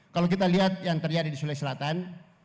kalau kita lihat yang terjadi di sulawesi selatan